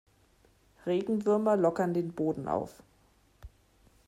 Regenwürmer lockern den Boden auf.